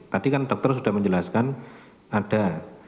tadi kan dokter sudah menjelaskan ada